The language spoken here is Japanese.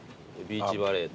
ビーチバレー。